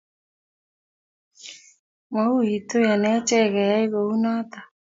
mawiitu eng achek keyay kunoto